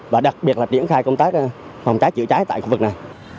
và đặc biệt là triển khai công tác phòng trái chữa trái tại khu vực này